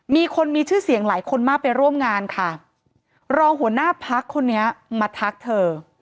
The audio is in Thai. มีคนมีชื่อเสียงหลายคนมากไปร่วมงานค่ะรองหัวหน้าพักคนนี้มาทักเธอ